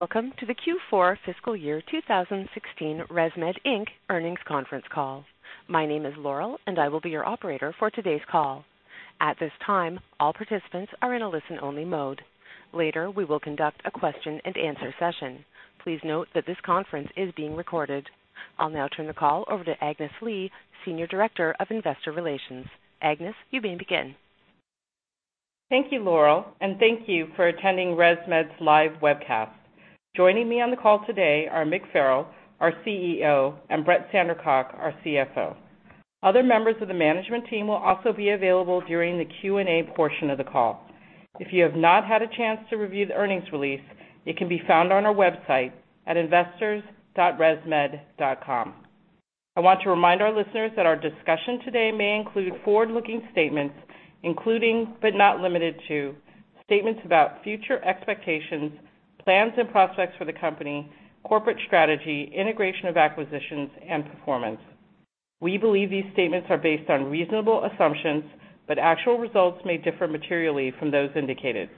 Welcome to the Q4 fiscal year 2016 ResMed Inc. earnings conference call. My name is Laurel, and I will be your operator for today's call. At this time, all participants are in a listen-only mode. Later, we will conduct a question and answer session. Please note that this conference is being recorded. I'll now turn the call over to Agnes Lee, Senior Director of Investor Relations. Agnes, you may begin. Thank you, Laurel, and thank you for attending ResMed's live webcast. Joining me on the call today are Mick Farrell, our CEO, and Brett Sandercock, our CFO. Other members of the management team will also be available during the Q&A portion of the call. If you have not had a chance to review the earnings release, it can be found on our website at investors.resmed.com. I want to remind our listeners that our discussion today may include forward-looking statements, including, but not limited to, statements about future expectations, plans and prospects for the company, corporate strategy, integration of acquisitions, and performance. We believe these statements are based on reasonable assumptions. Actual results may differ materially from those indicated.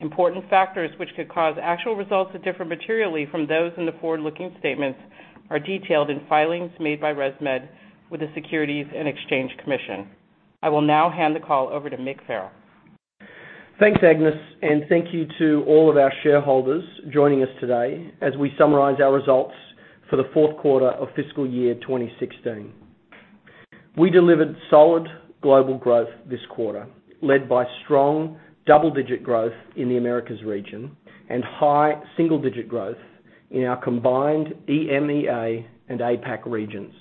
Important factors which could cause actual results to differ materially from those in the forward-looking statements are detailed in filings made by ResMed with the Securities and Exchange Commission. I will now hand the call over to Mick Farrell. Thanks, Agnes, and thank you to all of our shareholders joining us today as we summarize our results for the fourth quarter of fiscal year 2016. We delivered solid global growth this quarter, led by strong double-digit growth in the Americas region and high single-digit growth in our combined EMEA and APAC regions.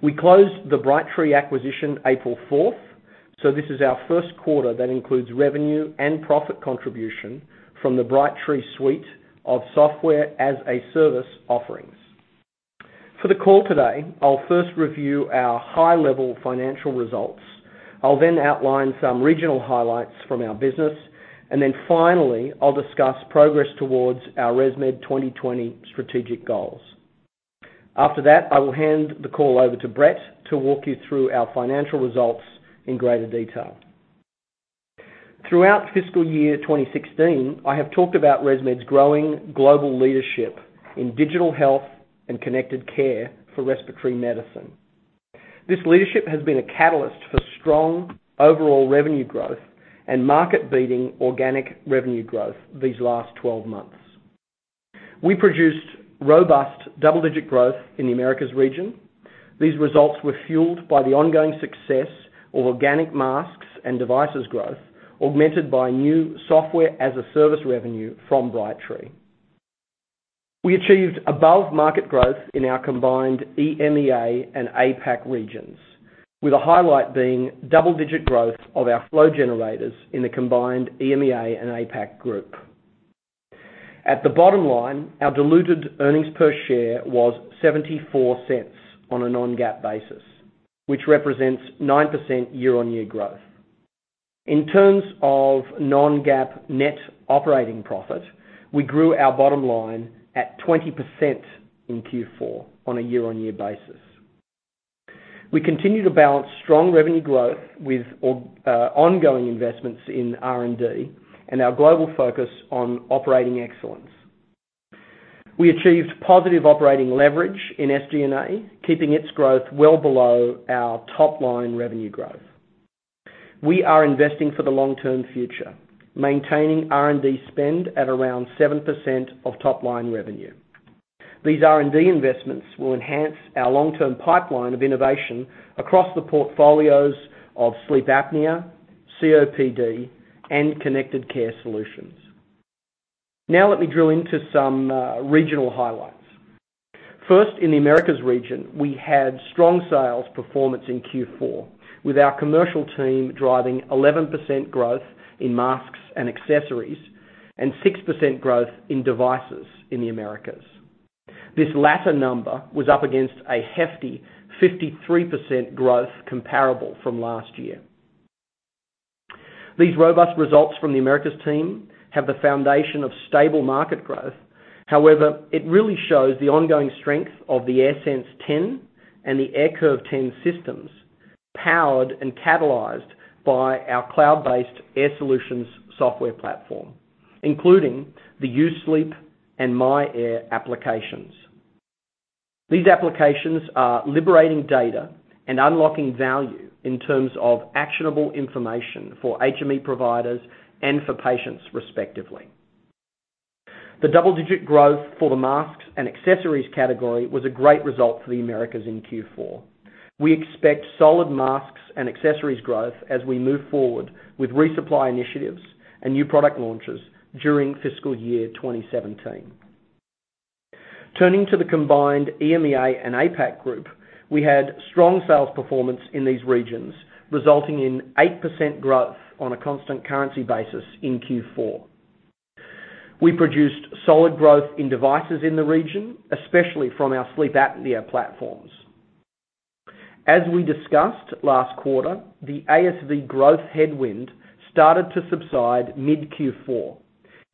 We closed the Brightree acquisition April 4th. This is our first quarter that includes revenue and profit contribution from the Brightree suite of software-as-a-service offerings. For the call today, I'll first review our high-level financial results. I'll then outline some regional highlights from our business. Finally, I'll discuss progress towards our ResMed 2020 strategic goals. After that, I will hand the call over to Brett to walk you through our financial results in greater detail. Throughout fiscal year 2016, I have talked about ResMed's growing global leadership in digital health and connected care for respiratory medicine. This leadership has been a catalyst for strong overall revenue growth and market-beating organic revenue growth these last 12 months. We produced robust double-digit growth in the Americas region. These results were fueled by the ongoing success of organic masks and devices growth, augmented by new software-as-a-service revenue from Brightree. We achieved above-market growth in our combined EMEA and APAC regions, with a highlight being double-digit growth of our flow generators in the combined EMEA and APAC group. At the bottom line, our diluted earnings per share was $0.74 on a non-GAAP basis, which represents 9% year-on-year growth. In terms of non-GAAP net operating profit, we grew our bottom line at 20% in Q4 on a year-on-year basis. We continue to balance strong revenue growth with ongoing investments in R&D and our global focus on operating excellence. We achieved positive operating leverage in SG&A, keeping its growth well below our top-line revenue growth. We are investing for the long-term future, maintaining R&D spend at around 7% of top-line revenue. These R&D investments will enhance our long-term pipeline of innovation across the portfolios of sleep apnea, COPD, and connected care solutions. Let me drill into some regional highlights. First, in the Americas region, we had strong sales performance in Q4, with our commercial team driving 11% growth in masks and accessories and 6% growth in devices in the Americas. This latter number was up against a hefty 53% growth comparable from last year. These robust results from the Americas team have the foundation of stable market growth. It really shows the ongoing strength of the AirSense 10 and the AirCurve 10 systems, powered and catalyzed by our cloud-based Air Solutions software platform, including the U-Sleep and myAir applications. These applications are liberating data and unlocking value in terms of actionable information for HME providers and for patients, respectively. The double-digit growth for the masks and accessories category was a great result for the Americas in Q4. We expect solid masks and accessories growth as we move forward with resupply initiatives and new product launches during fiscal year 2017. Turning to the combined EMEA and APAC group, we had strong sales performance in these regions, resulting in 8% growth on a constant currency basis in Q4. We produced solid growth in devices in the region, especially from our sleep apnea platforms. As we discussed last quarter, the ASV growth headwind started to subside mid-Q4,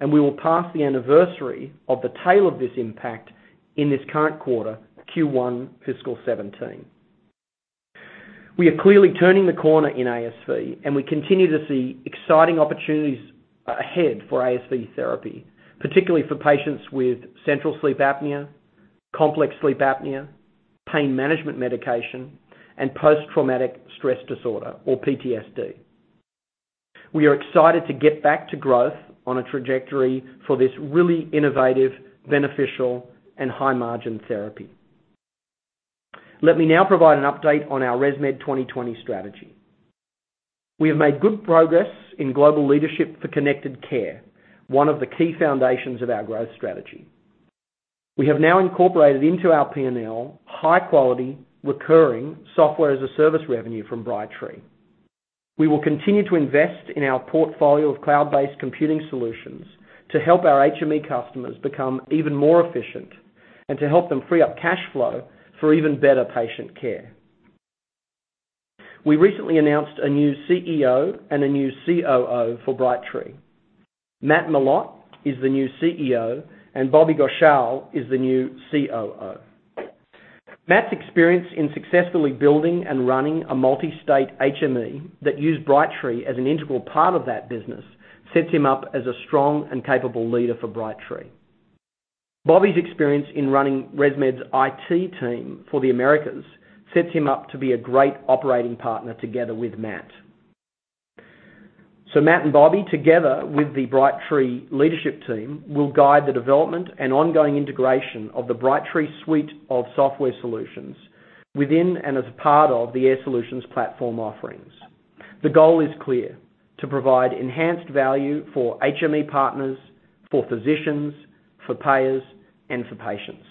and we will pass the anniversary of the tail of this impact in this current quarter, Q1 fiscal 2017. We are clearly turning the corner in ASV, and we continue to see exciting opportunities ahead for ASV therapy, particularly for patients with central sleep apnea, complex sleep apnea, pain management medication, and post-traumatic stress disorder, or PTSD. We are excited to get back to growth on a trajectory for this really innovative, beneficial, and high-margin therapy. Let me now provide an update on our ResMed 2020 strategy. We have made good progress in global leadership for connected care, one of the key foundations of our growth strategy. We have now incorporated into our P&L high-quality, recurring software-as-a-service revenue from Brightree. We will continue to invest in our portfolio of cloud-based computing solutions to help our HME customers become even more efficient and to help them free up cash flow for even better patient care. We recently announced a new CEO and a new COO for Brightree. Matt Mellott is the new CEO, and Bobby Ghoshal is the new COO. Matt's experience in successfully building and running a multi-state HME that used Brightree as an integral part of that business sets him up as a strong and capable leader for Brightree. Bobby's experience in running ResMed's IT team for the Americas sets him up to be a great operating partner together with Matt. Matt and Bobby, together with the Brightree leadership team, will guide the development and ongoing integration of the Brightree suite of software solutions within and as a part of the Air Solutions platform offerings. The goal is clear: to provide enhanced value for HME partners, for physicians, for payers, and for patients.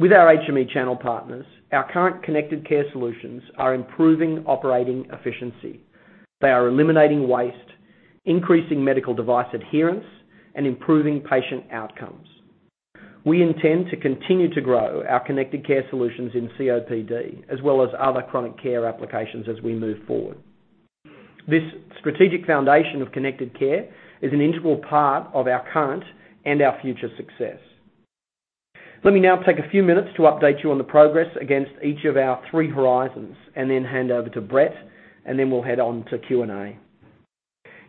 With our HME channel partners, our current connected care solutions are improving operating efficiency. They are eliminating waste, increasing medical device adherence, and improving patient outcomes. We intend to continue to grow our connected care solutions in COPD, as well as other chronic care applications as we move forward. This strategic foundation of connected care is an integral part of our current and our future success. Let me now take a few minutes to update you on the progress against each of our three horizons and then hand over to Brett, and then we'll head on to Q&A.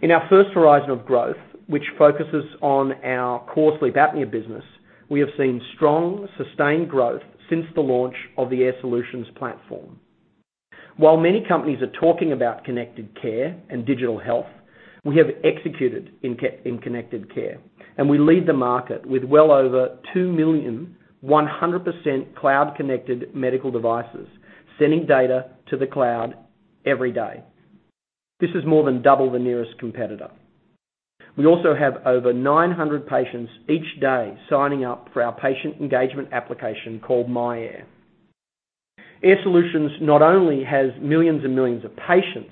In our first horizon of growth, which focuses on our core sleep apnea business, we have seen strong, sustained growth since the launch of the Air Solutions platform. While many companies are talking about connected care and digital health, we have executed in connected care, and we lead the market with well over 2 million 100% cloud-connected medical devices sending data to the cloud every day. This is more than double the nearest competitor. We also have over 900 patients each day signing up for our patient engagement application called myAir. Air Solutions not only has millions and millions of patients,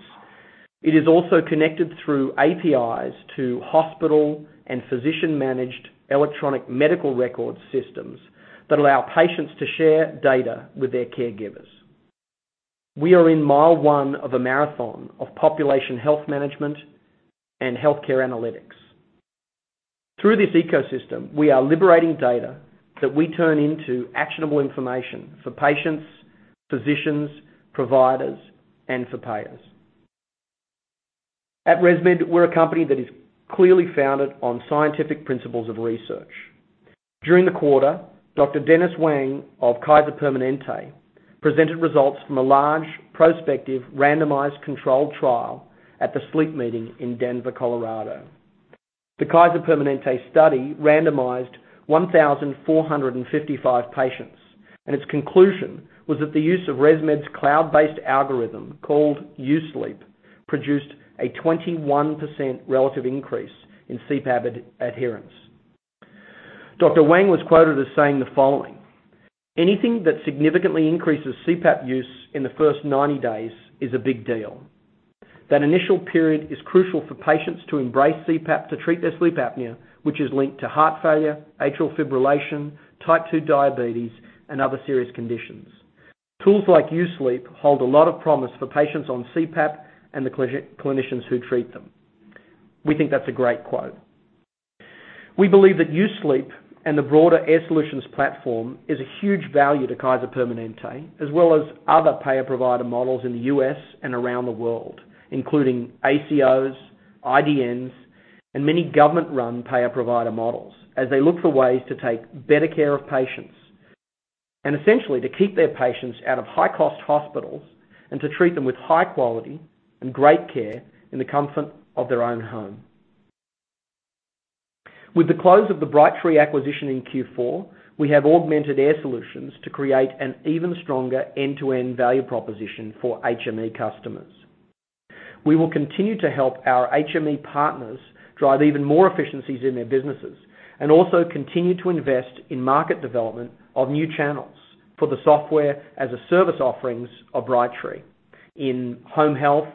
it is also connected through APIs to hospital and physician-managed electronic medical record systems that allow patients to share data with their caregivers. We are in mile one of a marathon of population health management and healthcare analytics. Through this ecosystem, we are liberating data that we turn into actionable information for patients, physicians, providers, and for payers. At ResMed, we're a company that is clearly founded on scientific principles of research. During the quarter, Dr. Dennis Hwang of Kaiser Permanente presented results from a large prospective randomized controlled trial at the Sleep Meeting in Denver, Colorado. The Kaiser Permanente study randomized 1,455 patients, and its conclusion was that the use of ResMed's cloud-based algorithm, called U-Sleep, produced a 21% relative increase in CPAP adherence. Dr. Hwang was quoted as saying the following: "Anything that significantly increases CPAP use in the first 90 days is a big deal. That initial period is crucial for patients to embrace CPAP to treat their sleep apnea, which is linked to heart failure, atrial fibrillation, type 2 diabetes, and other serious conditions. Tools like U-Sleep hold a lot of promise for patients on CPAP and the clinicians who treat them." We think that's a great quote. We believe that U-Sleep and the broader Air Solutions platform is a huge value to Kaiser Permanente, as well as other payer-provider models in the U.S. and around the world, including ACOs, IDNs, and many government-run payer-provider models, as they look for ways to take better care of patients, and essentially to keep their patients out of high-cost hospitals and to treat them with high quality and great care in the comfort of their own home. With the close of the Brightree acquisition in Q4, we have augmented Air Solutions to create an even stronger end-to-end value proposition for HME customers. We will continue to help our HME partners drive even more efficiencies in their businesses and also continue to invest in market development of new channels for the software-as-a-service offerings of Brightree in home health,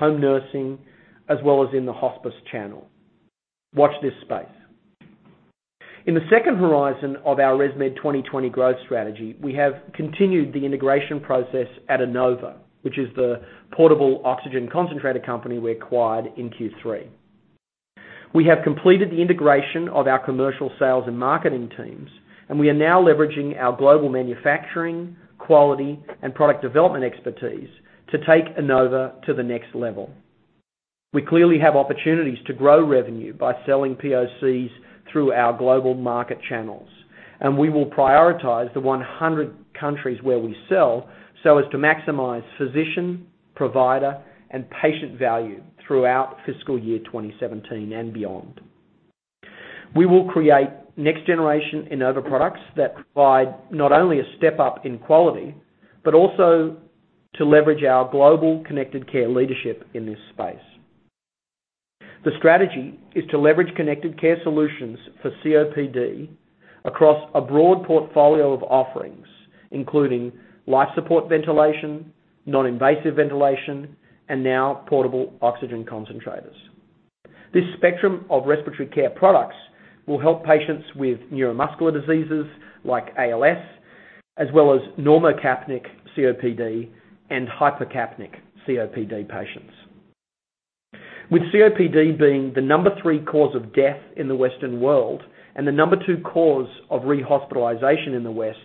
home nursing, as well as in the hospice channel. Watch this space. In the second horizon of our ResMed 2020 growth strategy, we have continued the integration process at Inova, which is the portable oxygen concentrator company we acquired in Q3. We have completed the integration of our commercial sales and marketing teams, and we are now leveraging our global manufacturing, quality, and product development expertise to take Inova to the next level. We clearly have opportunities to grow revenue by selling POCs through our global market channels, and we will prioritize the 100 countries where we sell so as to maximize physician, provider, and patient value throughout fiscal year 2017 and beyond. We will create next-generation Inova products that provide not only a step up in quality, but also to leverage our global connected care leadership in this space. The strategy is to leverage connected care solutions for COPD across a broad portfolio of offerings, including life support ventilation, non-invasive ventilation, and now portable oxygen concentrators. This spectrum of respiratory care products will help patients with neuromuscular diseases like ALS, as well as normocapnic COPD and hypercapnic COPD patients. With COPD being the number 3 cause of death in the Western world and the number 2 cause of rehospitalization in the West,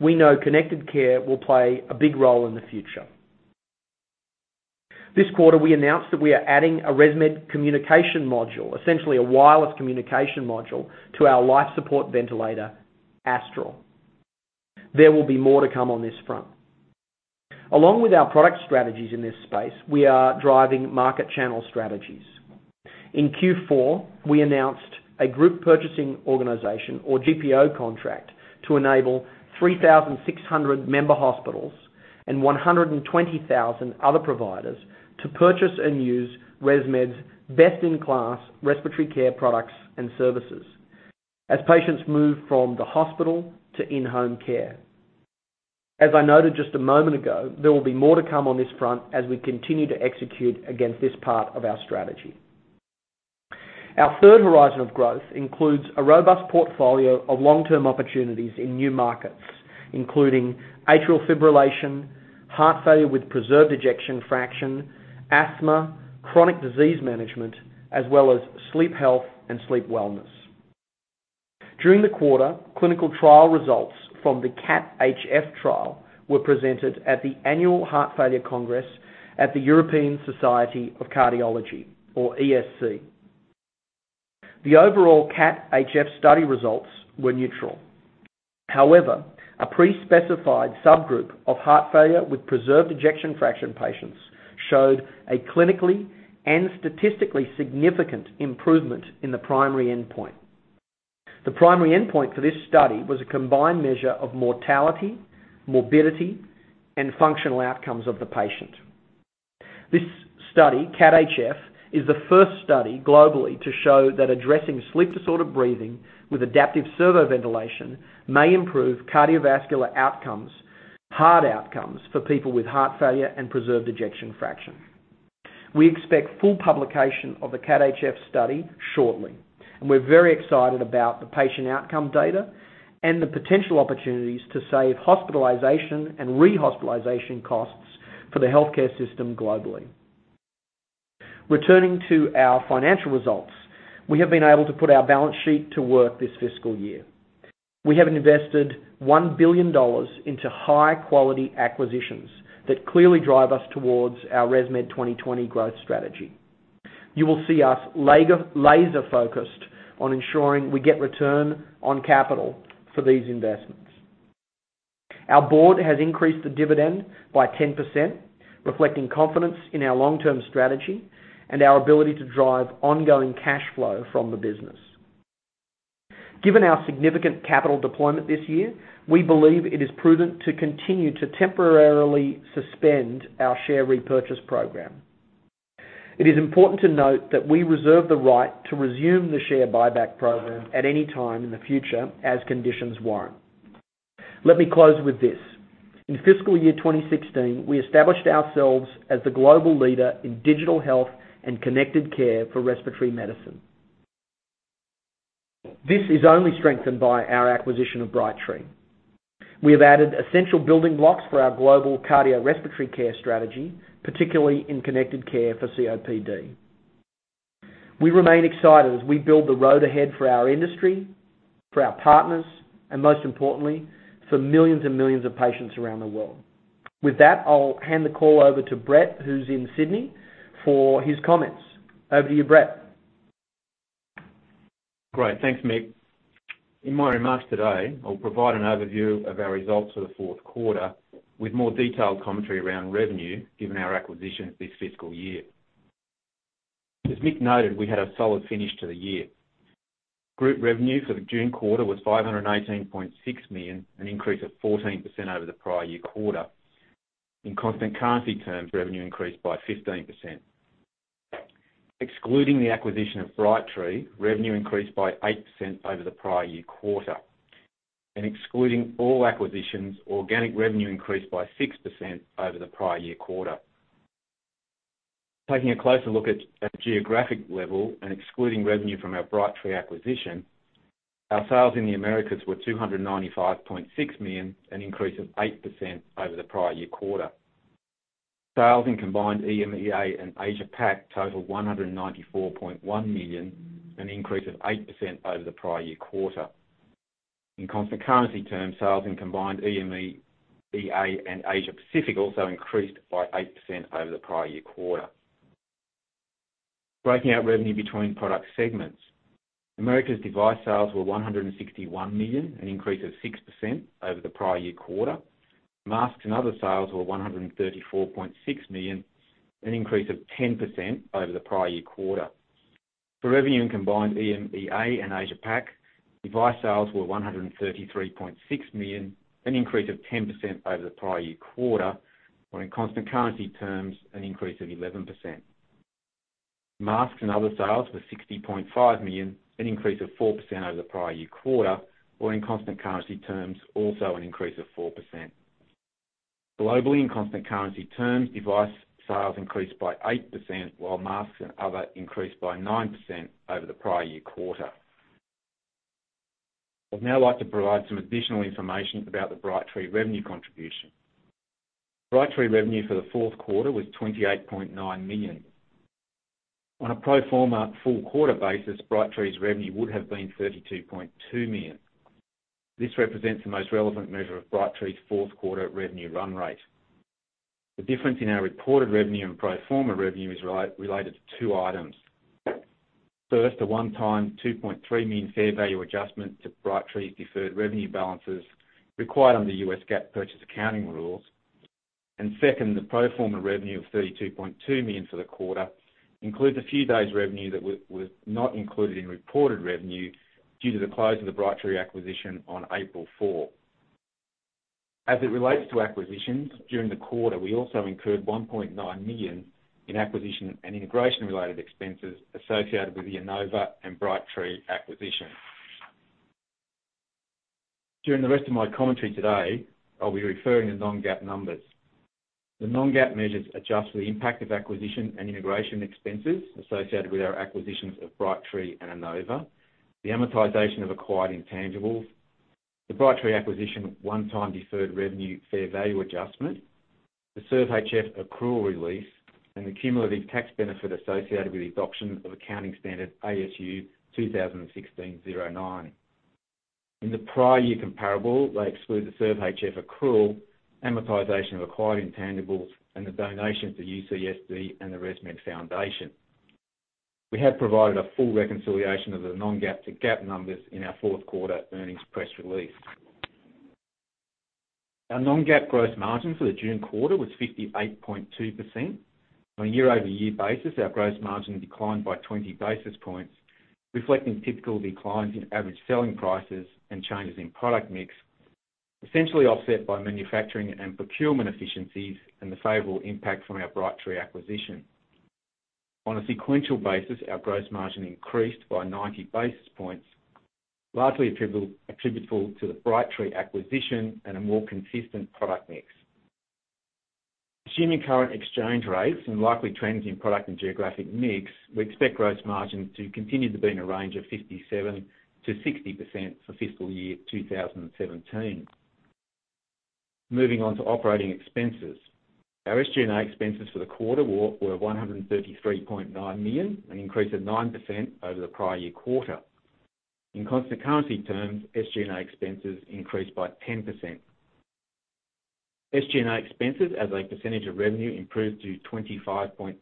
we know connected care will play a big role in the future. This quarter, we announced that we are adding a ResMed communication module, essentially a wireless communication module, to our life support ventilator, Astral. There will be more to come on this front. Along with our product strategies in this space, we are driving market channel strategies. In Q4, we announced a group purchasing organization, or GPO contract, to enable 3,600 member hospitals and 120,000 other providers to purchase and use ResMed's best-in-class respiratory care products and services as patients move from the hospital to in-home care. As I noted just a moment ago, there will be more to come on this front as we continue to execute against this part of our strategy. Our third horizon of growth includes a robust portfolio of long-term opportunities in new markets, including atrial fibrillation, heart failure with preserved ejection fraction, asthma, chronic disease management, as well as sleep health and sleep wellness. During the quarter, clinical trial results from the CAT-HF trial were presented at the Annual Heart Failure Congress at the European Society of Cardiology, or ESC. The overall CAT-HF study results were neutral. However, a pre-specified subgroup of heart failure with preserved ejection fraction patients showed a clinically and statistically significant improvement in the primary endpoint. The primary endpoint for this study was a combined measure of mortality, morbidity, and functional outcomes of the patient. This study, CAT-HF, is the first study globally to show that addressing sleep-disordered breathing with adaptive servo-ventilation may improve cardiovascular outcomes, heart outcomes, for people with heart failure and preserved ejection fraction. We expect full publication of the CAT-HF study shortly, and we're very excited about the patient outcome data and the potential opportunities to save hospitalization and rehospitalization costs for the healthcare system globally. Returning to our financial results, we have been able to put our balance sheet to work this fiscal year. We have invested $1 billion into high-quality acquisitions that clearly drive us towards our ResMed 2020 growth strategy. You will see us laser-focused on ensuring we get return on capital for these investments. Our board has increased the dividend by 10%, reflecting confidence in our long-term strategy and our ability to drive ongoing cash flow from the business. Given our significant capital deployment this year, we believe it is prudent to continue to temporarily suspend our share repurchase program. It is important to note that we reserve the right to resume the share buyback program at any time in the future as conditions warrant. Let me close with this. In fiscal year 2016, we established ourselves as the global leader in digital health and connected care for respiratory medicine. This is only strengthened by our acquisition of Brightree. We have added essential building blocks for our global cardiorespiratory care strategy, particularly in connected care for COPD. We remain excited as we build the road ahead for our industry, for our partners, and most importantly, for millions and millions of patients around the world. With that, I'll hand the call over to Brett, who's in Sydney, for his comments. Over to you, Brett. Great. Thanks, Mick. In my remarks today, I'll provide an overview of our results for the fourth quarter with more detailed commentary around revenue, given our acquisitions this fiscal year. As Mick noted, we had a solid finish to the year. Group revenue for the June quarter was $518.6 million, an increase of 14% over the prior year quarter. In constant currency terms, revenue increased by 15%. Excluding the acquisition of Brightree, revenue increased by 8% over the prior year quarter. Excluding all acquisitions, organic revenue increased by 6% over the prior year quarter. Taking a closer look at a geographic level and excluding revenue from our Brightree acquisition, our sales in the Americas were $295.6 million, an increase of 8% over the prior year quarter. Sales in combined EMEA and Asia Pac totaled $194.1 million, an increase of 8% over the prior year quarter. In constant currency terms, sales in combined EMEA and Asia Pacific also increased by 8% over the prior year quarter. Breaking out revenue between product segments. Americas device sales were $161 million, an increase of 6% over the prior year quarter. Masks and other sales were $134.6 million, an increase of 10% over the prior year quarter. For revenue in combined EMEA and Asia Pac, device sales were $133.6 million, an increase of 10% over the prior year quarter, or in constant currency terms, an increase of 11%. Masks and other sales were $60.5 million, an increase of 4% over the prior year quarter, or in constant currency terms, also an increase of 4%. Globally, in constant currency terms, device sales increased by 8%, while masks and other increased by 9% over the prior year quarter. I'd now like to provide some additional information about the Brightree revenue contribution. Brightree revenue for the fourth quarter was $28.9 million. On a pro forma full quarter basis, Brightree's revenue would have been $32.2 million. This represents the most relevant measure of Brightree's fourth quarter revenue run rate. The difference in our reported revenue and pro forma revenue is related to two items. First, a one-time $2.3 million fair value adjustment to Brightree's deferred revenue balances required under US GAAP purchase accounting rules. Second, the pro forma revenue of $32.2 million for the quarter includes a few days' revenue that was not included in reported revenue due to the close of the Brightree acquisition on April 4. As it relates to acquisitions, during the quarter, we also incurred $1.9 million in acquisition and integration-related expenses associated with the Inova and Brightree acquisitions. During the rest of my commentary today, I'll be referring to non-GAAP numbers. The non-GAAP measures adjust for the impact of acquisition and integration expenses associated with our acquisitions of Brightree and Inova, the amortization of acquired intangibles, the Brightree acquisition one-time deferred revenue fair value adjustment, the SERVE-HF accrual release, and the cumulative tax benefit associated with the adoption of accounting standard ASU 2016-09. In the prior year comparable, they exclude the SERVE-HF accrual, amortization of acquired intangibles, and the donation to UCSD and the ResMed Foundation. We have provided a full reconciliation of the non-GAAP to GAAP numbers in our fourth quarter earnings press release. Our non-GAAP gross margin for the June quarter was 58.2%. On a year-over-year basis, our gross margin declined by 20 basis points, reflecting typical declines in average selling prices and changes in product mix, essentially offset by manufacturing and procurement efficiencies and the favorable impact from our Brightree acquisition. On a sequential basis, our gross margin increased by 90 basis points, largely attributable to the Brightree acquisition and a more consistent product mix. Assuming current exchange rates and likely trends in product and geographic mix, we expect gross margins to continue to be in a range of 57%-60% for fiscal year 2017. Moving on to operating expenses. Our SG&A expenses for the quarter were $133.9 million, an increase of 9% over the prior year quarter. In constant currency terms, SG&A expenses increased by 10%. SG&A expenses as a percentage of revenue improved to 25.8%,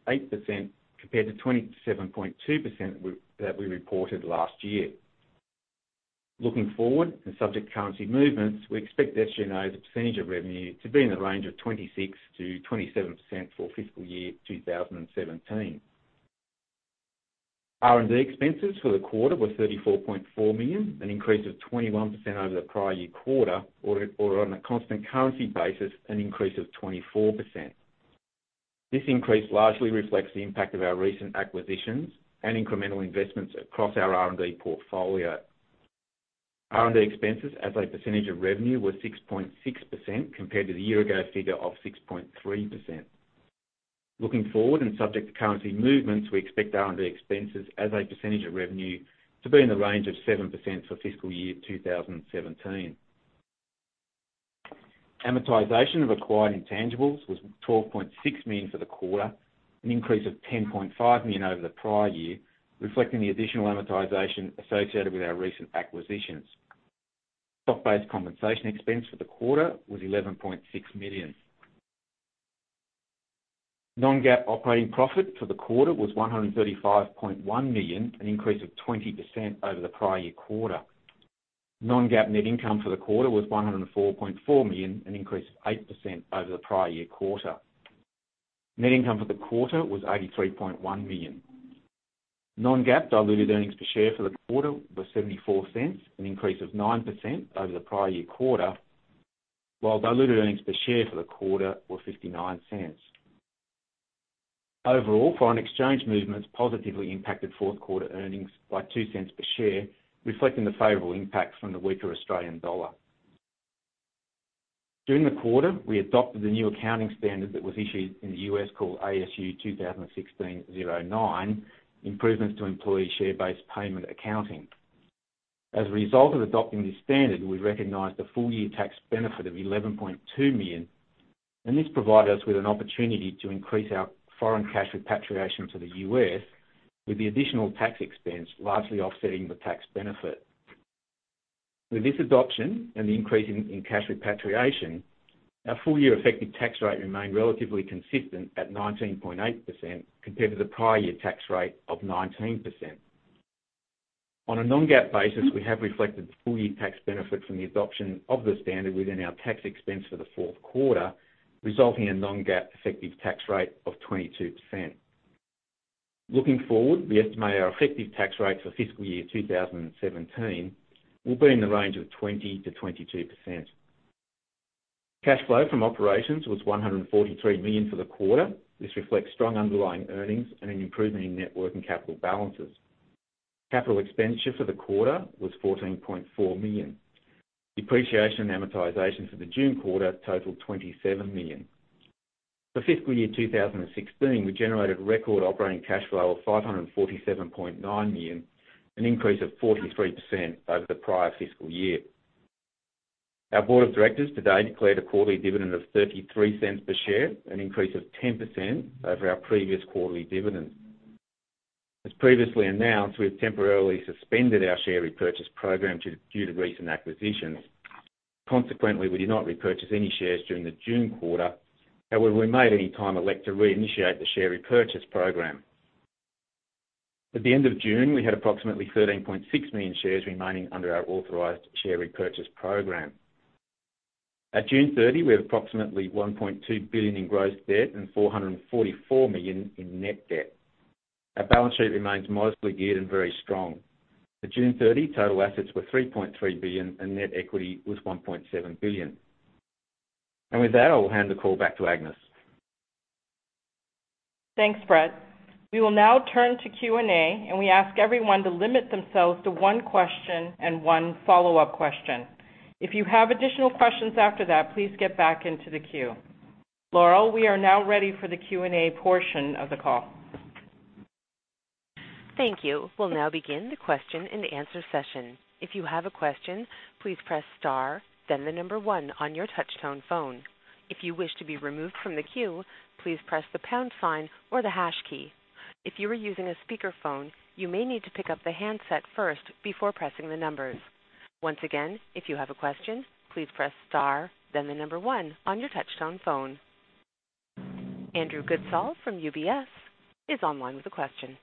compared to 27.2% that we reported last year. Looking forward, subject to currency movements, we expect SG&A as a percentage of revenue to be in the range of 26%-27% for fiscal year 2017. R&D expenses for the quarter were 34.4 million, an increase of 21% over the prior year quarter, or on a constant currency basis, an increase of 24%. This increase largely reflects the impact of our recent acquisitions and incremental investments across our R&D portfolio. R&D expenses as a percentage of revenue were 6.6%, compared to the year-ago figure of 6.3%. Looking forward, subject to currency movements, we expect R&D expenses as a percentage of revenue to be in the range of 7% for fiscal year 2017. Amortization of acquired intangibles was 12.6 million for the quarter, an increase of 10.5 million over the prior year, reflecting the additional amortization associated with our recent acquisitions. Stock-based compensation expense for the quarter was 11.6 million. Non-GAAP operating profit for the quarter was 135.1 million, an increase of 20% over the prior year quarter. Non-GAAP net income for the quarter was 104.4 million, an increase of 8% over the prior year quarter. Net income for the quarter was 83.1 million. Non-GAAP diluted earnings per share for the quarter were $0.74, an increase of 9% over the prior year quarter, while diluted earnings per share for the quarter were $0.59. Overall, foreign exchange movements positively impacted fourth quarter earnings by $0.02 per share, reflecting the favorable impacts from the weaker Australian dollar. During the quarter, we adopted the new accounting standard that was issued in the U.S. called ASU 2016-09, Improvements to Employee Share-Based Payment Accounting. As a result of adopting this standard, we recognized a full-year tax benefit of 11.2 million, this provided us with an opportunity to increase our foreign cash repatriation to the U.S., with the additional tax expense largely offsetting the tax benefit. With this adoption and the increase in cash repatriation, our full-year effective tax rate remained relatively consistent at 19.8% compared to the prior year tax rate of 19%. On a non-GAAP basis, we have reflected the full-year tax benefit from the adoption of the standard within our tax expense for the fourth quarter, resulting in non-GAAP effective tax rate of 22%. Looking forward, we estimate our effective tax rate for fiscal year 2017 will be in the range of 20%-22%. Cash flow from operations was 143 million for the quarter. This reflects strong underlying earnings and an improvement in net working capital balances. Capital expenditure for the quarter was AUD 14.4 million. Depreciation and amortization for the June quarter totaled AUD 27 million. For fiscal year 2016, we generated record operating cash flow of 547.9 million, an increase of 43% over the prior fiscal year. Our board of directors today declared a quarterly dividend of 0.33 per share, an increase of 10% over our previous quarterly dividend. As previously announced, we have temporarily suspended our share repurchase program due to recent acquisitions. Consequently, we did not repurchase any shares during the June quarter, however, we may at any time elect to reinitiate the share repurchase program. At the end of June, we had approximately 13.6 million shares remaining under our authorized share repurchase program. At June 30, we had approximately 1.2 billion in gross debt and 444 million in net debt. Our balance sheet remains modestly geared and very strong. At June 30, total assets were 3.3 billion and net equity was 1.7 billion. With that, I will hand the call back to Agnes. Thanks, Brett. We will now turn to Q&A. We ask everyone to limit themselves to one question and one follow-up question. If you have additional questions after that, please get back into the queue. Laurel, we are now ready for the Q&A portion of the call. Thank you. We will now begin the question and answer session. If you have a question, please press star, then the number one on your touch tone phone. If you wish to be removed from the queue, please press the pound sign or the hash key. If you are using a speakerphone, you may need to pick up the handset first before pressing the numbers. Once again, if you have a question, please press star, then the number one on your touch tone phone. Andrew Goodsall from UBS is online with a question.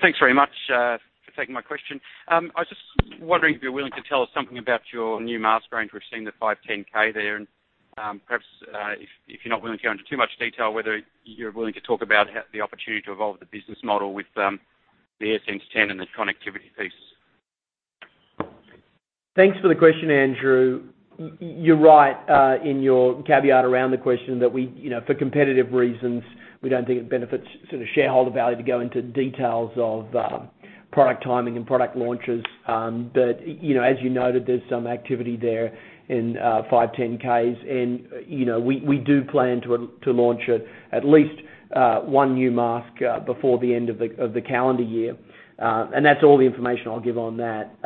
Thanks very much for taking my question. I was just wondering if you are willing to tell us something about your new mask range. We have seen the 510 there. Perhaps, if you are not willing to go into too much detail, whether you are willing to talk about the opportunity to evolve the business model with the AirSense 10 and the connectivity piece. Thanks for the question, Andrew. You are right in your caveat around the question that for competitive reasons, we do not think it benefits shareholder value to go into details of product timing and product launches. As you noted, there is some activity there in 510s. We do plan to launch at least one new mask before the end of the calendar year. That is all the information I will give on that.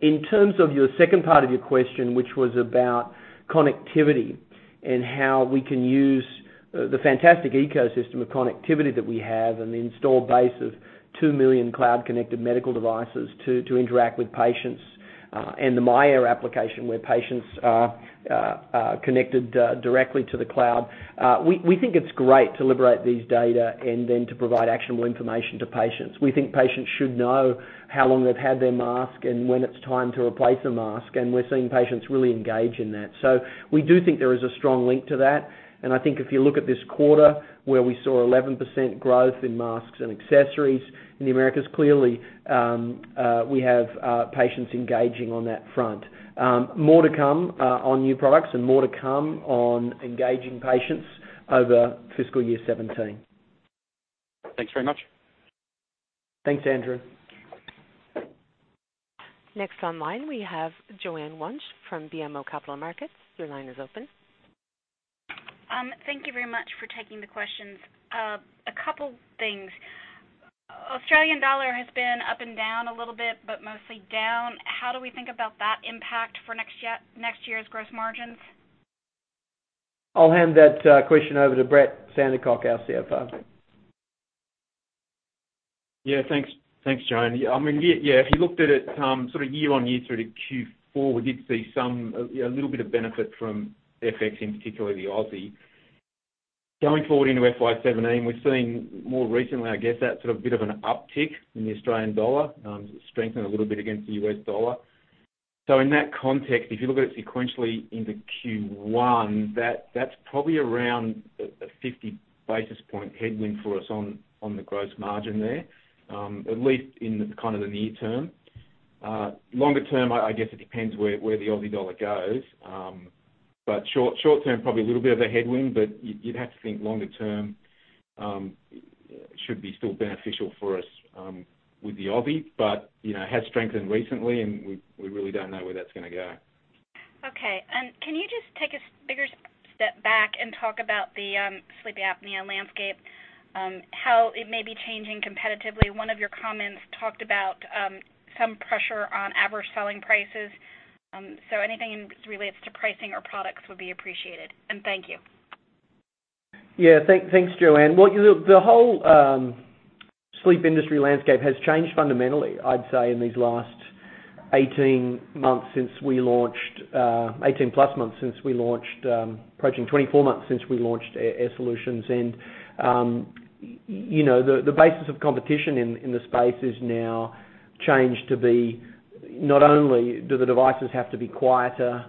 In terms of your second part of your question, which was about connectivity and how we can use the fantastic ecosystem of connectivity that we have and the installed base of 2 million cloud-connected medical devices to interact with patients. The myAir application where patients are connected directly to the cloud. We think it is great to liberate these data to provide actionable information to patients. We think patients should know how long they've had their mask and when it's time to replace a mask. We're seeing patients really engage in that. We do think there is a strong link to that. I think if you look at this quarter where we saw 11% growth in masks and accessories in the Americas, clearly, we have patients engaging on that front. More to come on new products and more to come on engaging patients over fiscal year 2017. Thanks very much. Thanks, Andrew. Next on line, we have Joanne Wuensch from BMO Capital Markets. Your line is open. Thank you very much for taking the questions. A couple things. Australian dollar has been up and down a little bit, but mostly down. How do we think about that impact for next year's gross margins? I'll hand that question over to Brett Sandercock, our CFO. Thanks. Thanks, Joanne. If you looked at it sort of year-on-year through to Q4, we did see a little bit of benefit from FX, in particular the Aussie. Going forward into FY 2017, we've seen more recently, I guess, that sort of bit of an uptick in the Australian dollar, strengthen a little bit against the US dollar. In that context, if you look at it sequentially into Q1, that's probably around a 50 basis point headwind for us on the gross margin there, at least in kind of the near term. Longer term, I guess it depends where the Aussie dollar goes. Short term, probably a little bit of a headwind, but you'd have to think longer term should be still beneficial for us with the Aussie, but it has strengthened recently, and we really don't know where that's going to go. Okay. Can you just take us a step back Talk about the sleep apnea landscape, how it may be changing competitively. One of your comments talked about some pressure on average selling prices. Anything as relates to pricing or products would be appreciated. Thank you. Yeah. Thanks, Joanne. Well, the whole sleep industry landscape has changed fundamentally, I'd say, in these last 18 plus months, approaching 24 months since we launched Air Solutions. The basis of competition in the space has now changed to be not only do the devices have to be quieter,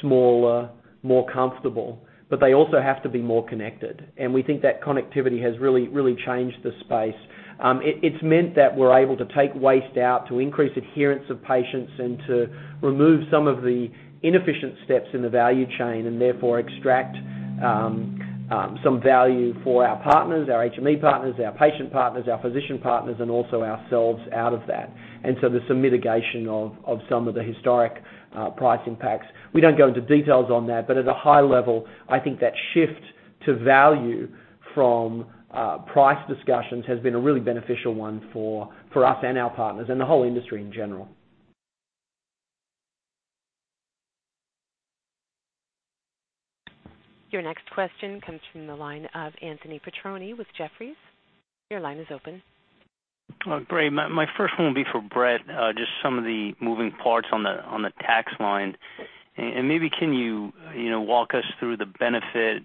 smaller, more comfortable, but they also have to be more connected. We think that connectivity has really changed the space. It's meant that we're able to take waste out, to increase adherence of patients, and to remove some of the inefficient steps in the value chain, and therefore extract some value for our partners, our HME partners, our patient partners, our physician partners, and also ourselves out of that. There's some mitigation of some of the historic price impacts. We don't go into details on that, at a high level, I think that shift to value from price discussions has been a really beneficial one for us and our partners and the whole industry in general. Your next question comes from the line of Anthony Petrone with Jefferies. Your line is open. Great. My first one will be for Brett, just some of the moving parts on the tax line. Maybe can you walk us through the benefit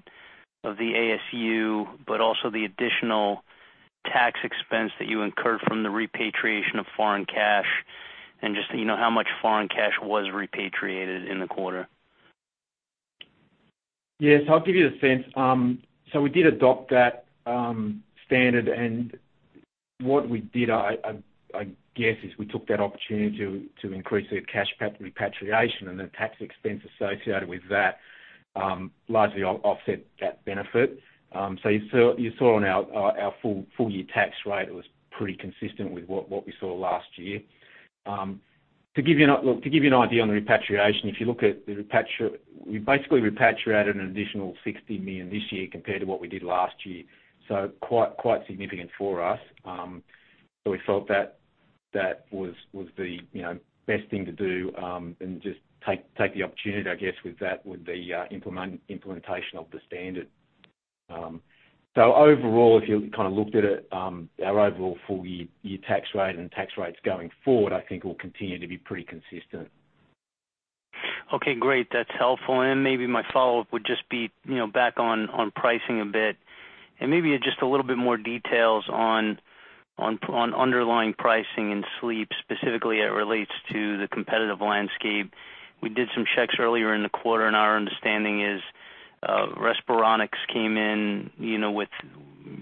of the ASU, but also the additional tax expense that you incurred from the repatriation of foreign cash, and just how much foreign cash was repatriated in the quarter? Yes, I'll give you a sense. We did adopt that standard, what we did, I guess, is we took that opportunity to increase the cash repatriation and the tax expense associated with that, largely offset that benefit. You saw on our full year tax rate, it was pretty consistent with what we saw last year. To give you an idea on the repatriation, we basically repatriated an additional $60 million this year compared to what we did last year. Quite significant for us. We felt that was the best thing to do, and just take the opportunity, I guess, with the implementation of the standard. Overall, if you kind of looked at it, our overall full year tax rate and tax rates going forward, I think will continue to be pretty consistent. Okay, great. That's helpful. Maybe my follow-up would just be back on pricing a bit, maybe just a little bit more details on underlying pricing in sleep, specifically as it relates to the competitive landscape. We did some checks earlier in the quarter, our understanding is, Respironics came in with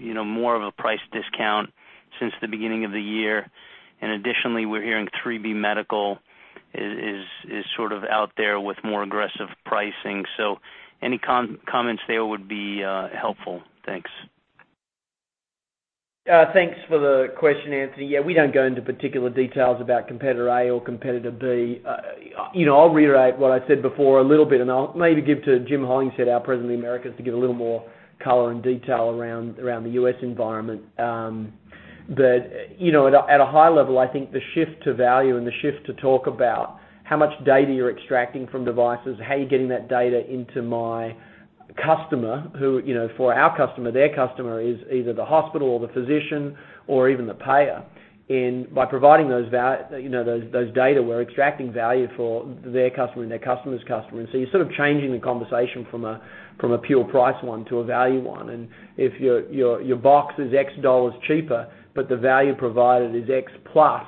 more of a price discount since the beginning of the year. Additionally, we're hearing 3B Medical is sort of out there with more aggressive pricing. Any comments there would be helpful. Thanks. Thanks for the question, Anthony. We don't go into particular details about competitor A or competitor B. I'll reiterate what I said before a little bit, I'll maybe give to Jim Hollingshead, our President of the Americas, to give a little more color and detail around the U.S. environment. At a high level, I think the shift to value and the shift to talk about how much data you're extracting from devices, how are you getting that data into my customer, who for our customer, their customer is either the hospital or the physician or even the payer. By providing those data, we're extracting value for their customer and their customer's customer. You're sort of changing the conversation from a pure price one to a value one. If your box is $X cheaper, but the value provided is X plus,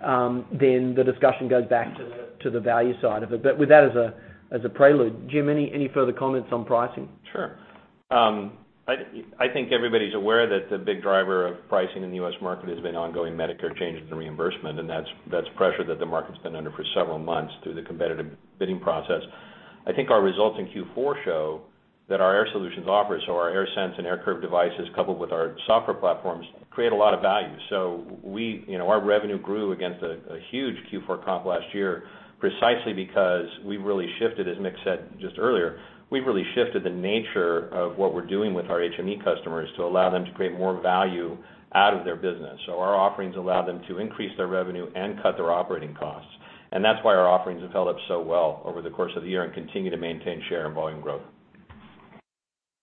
then the discussion goes back to the value side of it. With that as a prelude, Jim, any further comments on pricing? Sure. I think everybody's aware that the big driver of pricing in the U.S. market has been ongoing Medicare changes in reimbursement, and that's pressure that the market's been under for several months through the competitive bidding process. I think our results in Q4 show that our Air Solutions offers, so our AirSense and AirCurve devices coupled with our software platforms, create a lot of value. Our revenue grew against a huge Q4 comp last year precisely because we really shifted, as Mick said just earlier, we've really shifted the nature of what we're doing with our HME customers to allow them to create more value out of their business. Our offerings allow them to increase their revenue and cut their operating costs. That's why our offerings have held up so well over the course of the year and continue to maintain share and volume growth.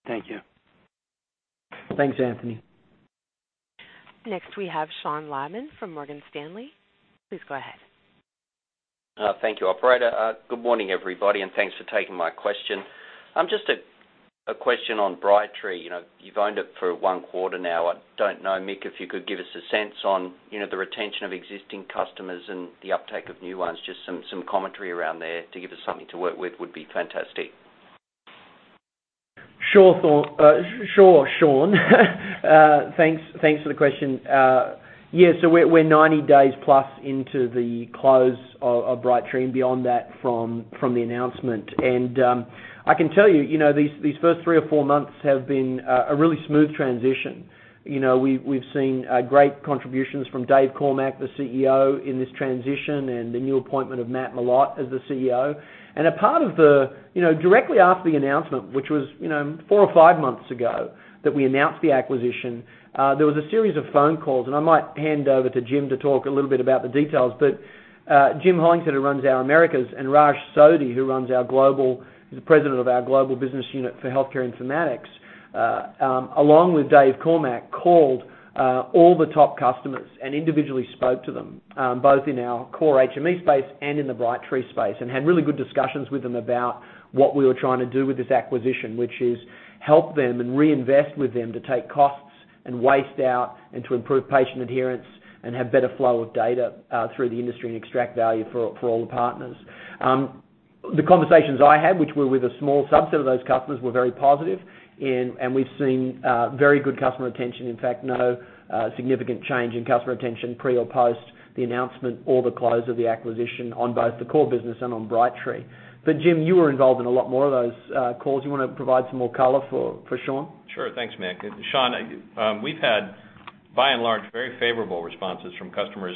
Thank you. Thanks, Anthony. Next, we have Sean Laaman from Morgan Stanley. Please go ahead. Thank you, operator. Good morning, everybody, thanks for taking my question. Just a question on Brightree. You've owned it for one quarter now. I don't know, Mick, if you could give us a sense on the retention of existing customers and the uptake of new ones. Just some commentary around there to give us something to work with would be fantastic. Sure, Sean. Thanks for the question. We're 90 days plus into the close of Brightree and beyond that from the announcement. I can tell you, these first three or four months have been a really smooth transition. We've seen great contributions from Dave Cormack, the CEO, in this transition, and the new appointment of Matt Mellott as the CEO. Directly after the announcement, which was four or five months ago that we announced the acquisition, there was a series of phone calls, and I might hand over to Jim to talk a little bit about the details. Jim Hollingshead, who runs our Americas, and Raj Sodhi, who runs our global, the President of our global business unit for healthcare informatics, along with Dave Cormack, called all the top customers and individually spoke to them, both in our core HME space and in the Brightree space. Had really good discussions with them about what we were trying to do with this acquisition, which is help them and reinvest with them to take costs and waste out, and to improve patient adherence, and have better flow of data through the industry, and extract value for all the partners. The conversations I had, which were with a small subset of those customers, were very positive. We've seen very good customer retention. In fact, no significant change in customer retention pre or post the announcement or the close of the acquisition on both the core business and on Brightree. Jim, you were involved in a lot more of those calls. You want to provide some more color for Sean? Sure. Thanks, Mick. Sean, we've had, by and large, very favorable responses from customers,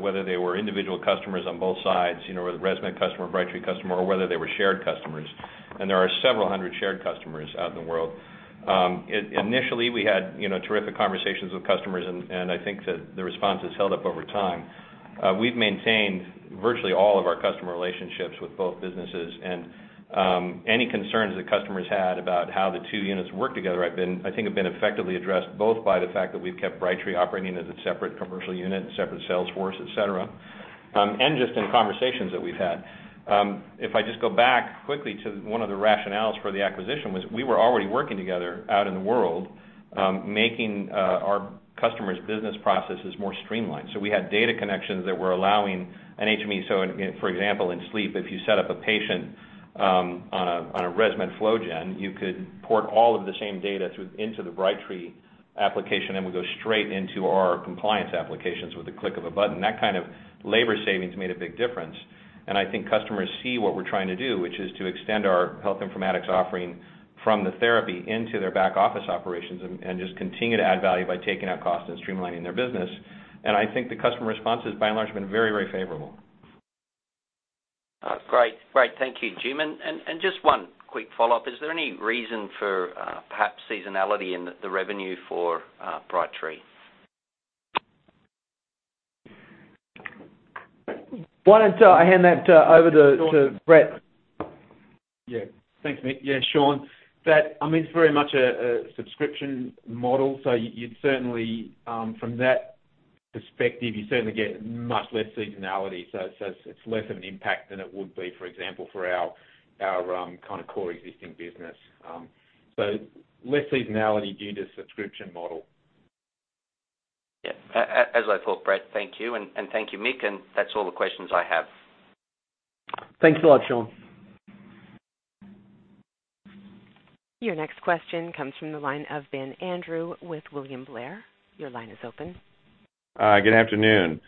whether they were individual customers on both sides, ResMed customer, Brightree customer, or whether they were shared customers. There are several hundred shared customers out in the world. Initially, we had terrific conversations with customers, and I think that the response has held up over time. We've maintained virtually all of our customer relationships with both businesses. Any concerns that customers had about how the two units work together, I think, have been effectively addressed, both by the fact that we've kept Brightree operating as a separate commercial unit and separate sales force, et cetera, and just in conversations that we've had. If I just go back quickly to one of the rationales for the acquisition was we were already working together out in the world, making our customers' business processes more streamlined. We had data connections that were allowing an HME. For example, in sleep, if you set up a patient on a ResMed FlowGen, you could port all of the same data into the Brightree application, and it would go straight into our compliance applications with the click of a button. That kind of labor savings made a big difference. I think customers see what we're trying to do, which is to extend our health informatics offering from the therapy into their back-office operations, and just continue to add value by taking out cost and streamlining their business. I think the customer response has, by and large, been very, very favorable. Great. Thank you, Jim. Just one quick follow-up. Is there any reason for perhaps seasonality in the revenue for Brightree? Why don't I hand that over to Brett? Thanks, Mick. Sean, it's very much a subscription model. From that perspective, you certainly get much less seasonality. It's less of an impact than it would be, for example, for our core existing business. Less seasonality due to subscription model. As I thought, Brett. Thank you, and thank you, Mick. That's all the questions I have. Thanks a lot, Sean. Your next question comes from the line of Ben Andrew with William Blair. Your line is open. Good afternoon.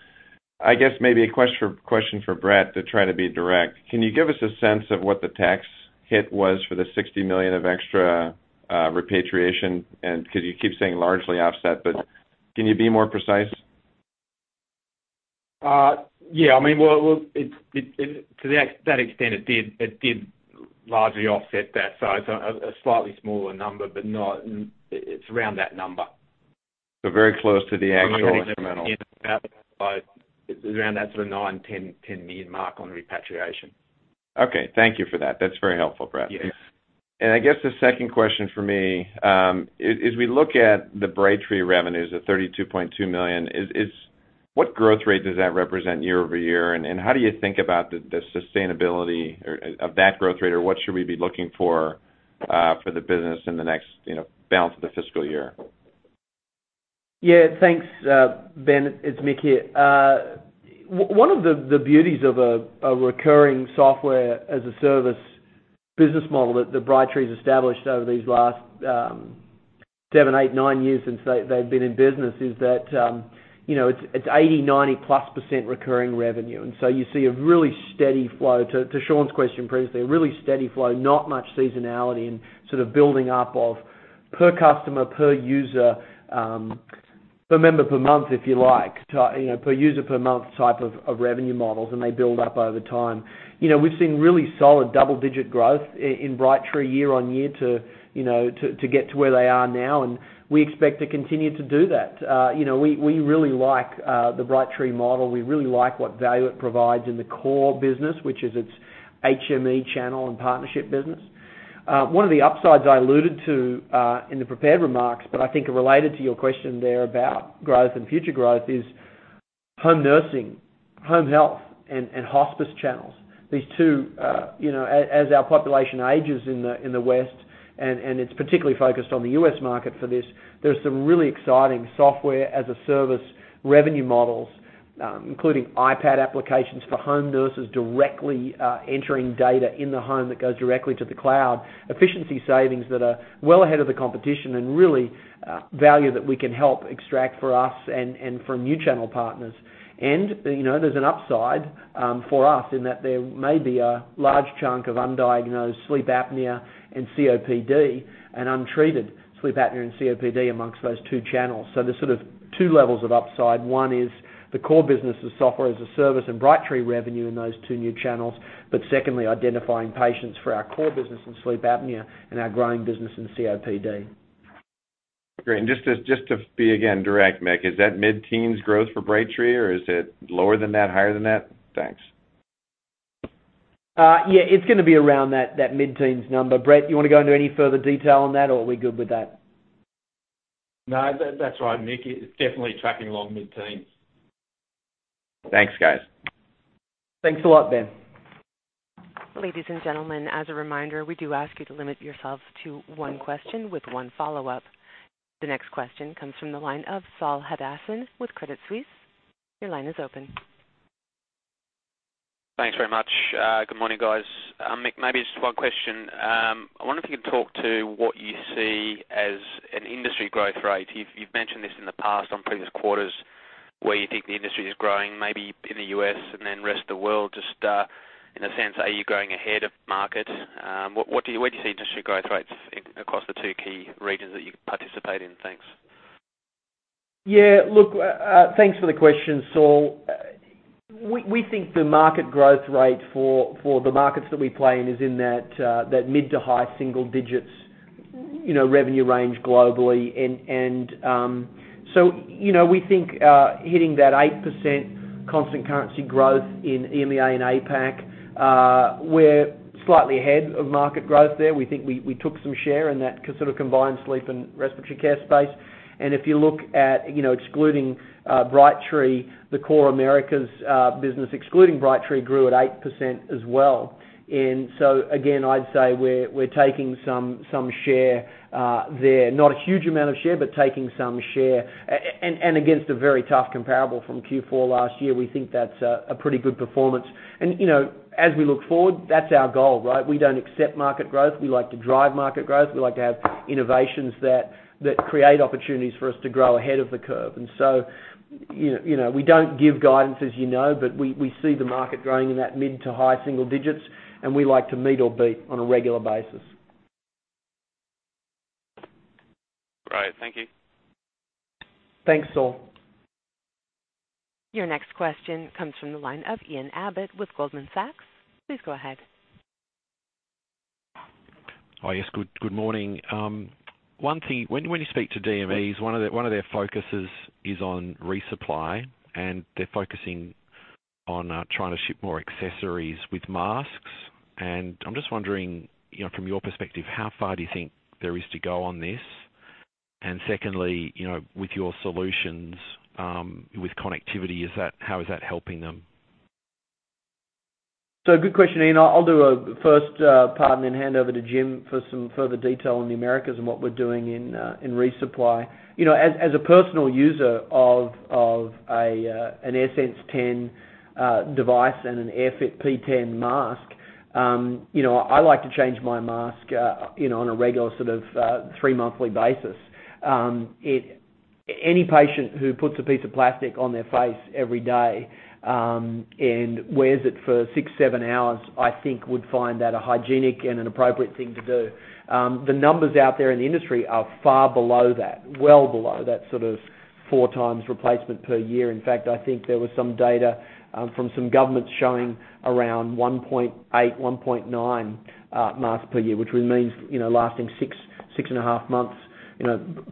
I guess maybe a question for Brett, to try to be direct. Can you give us a sense of what the tax hit was for the $60 million of extra repatriation? Because you keep saying largely offset, but can you be more precise? Yeah. To that extent, it did largely offset that. A slightly smaller number, but it's around that number. Very close to the actual incremental. Around that sort of nine, $10 million mark on repatriation. Okay. Thank you for that. That's very helpful, Brett. Yes. I guess the second question for me, as we look at the Brightree revenues of $32.2 million, what growth rate does that represent year-over-year, and how do you think about the sustainability of that growth rate, or what should we be looking for the business in the next balance of the fiscal year? Yeah. Thanks, Ben. It's Mick here. One of the beauties of a recurring software-as-a-service business model that Brightree's established over these last seven, eight, nine years since they've been in business is that, it's 80%, 90% plus recurring revenue. You see a really steady flow. To Sean's question previously, a really steady flow, not much seasonality and sort of building up of per customer, per user, per member per month, if you like. Per user, per month type of revenue models, and they build up over time. We've seen really solid double-digit growth in Brightree year-on-year to get to where they are now, and we expect to continue to do that. We really like the Brightree model. We really like what value it provides in the core business, which is its HME channel and partnership business. One of the upsides I alluded to in the prepared remarks, but I think are related to your question there about growth and future growth is home nursing, home health, and hospice channels. As our population ages in the West, and it's particularly focused on the U.S. market for this, there's some really exciting software-as-a-service revenue models including iPad applications for home nurses directly entering data in the home that goes directly to the cloud. Efficiency savings that are well ahead of the competition, and really value that we can help extract for us and for new channel partners. There's an upside for us, in that there may be a large chunk of undiagnosed sleep apnea and COPD, and untreated sleep apnea and COPD amongst those two channels. There's sort of two levels of upside. One is the core business of software-as-a-service and Brightree revenue in those two new channels. Secondly, identifying patients for our core business in sleep apnea and our growing business in COPD. Great. Just to be, again, direct, Mick, is that mid-teens growth for Brightree, or is it lower than that, higher than that? Thanks. Yeah, it's going to be around that mid-teens number. Brett, you want to go into any further detail on that, or are we good with that? No, that's right, Mick. It's definitely tracking along mid-teens. Thanks, guys. Thanks a lot, Ben. Ladies and gentlemen, as a reminder, we do ask you to limit yourselves to one question with one follow-up. The next question comes from the line of Saul Hadassin with Credit Suisse. Your line is open. Thanks very much. Good morning, guys. Mick, maybe just one question. I wonder if you could talk to what you see as an industry growth rate. You've mentioned this in the past on previous quarters, where you think the industry is growing, maybe in the U.S. and then rest of the world. Just in a sense, are you growing ahead of market? Where do you see industry growth rates across the two key regions that you participate in? Thanks. Yeah. Look, thanks for the question, Saul. We think the market growth rate for the markets that we play in is in that mid to high single digits revenue range globally. So, we think hitting that 8% constant currency growth in EMEA and APAC, we're slightly ahead of market growth there. We think we took some share in that sort of combined sleep and respiratory care space. If you look at excluding Brightree, the core Americas business, excluding Brightree, grew at 8% as well. So again, I'd say we're taking some share there. Not a huge amount of share, but taking some share. Against a very tough comparable from Q4 last year, we think that's a pretty good performance. As we look forward, that's our goal, right? We don't accept market growth. We like to drive market growth. We like to have innovations that create opportunities for us to grow ahead of the curve. So, we don't give guidance, as you know, but we see the market growing in that mid to high single digits, and we like to meet or beat on a regular basis. Right. Thank you. Thanks, Saul. Your next question comes from the line of Ian Abbott with Goldman Sachs. Please go ahead. Oh, yes. Good morning. One thing, when you speak to DMEs, one of their focuses is on resupply, they're focusing on trying to ship more accessories with masks. I'm just wondering, from your perspective, how far do you think there is to go on this? Secondly, with your solutions, with connectivity, how is that helping them? Good question, Ian. I'll do first part and then hand over to Jim for some further detail on the Americas and what we're doing in resupply. As a personal user of an AirSense 10 device and an AirFit P10 mask, I like to change my mask, on a regular sort of, three-monthly basis. Any patient who puts a piece of plastic on their face every day, and wears it for six, seven hours, I think would find that a hygienic and an appropriate thing to do. The numbers out there in the industry are far below that, well below that sort of four times replacement per year. In fact, I think there was some data from some governments showing around 1.8, 1.9 masks per year, which means, lasting six and a half months.